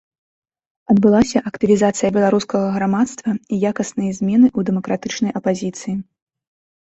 Адбылася актывізацыя беларускага грамадства і якасныя змены ў дэмакратычнай апазіцыі.